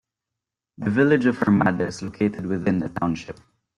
The village of Armada is located within the township.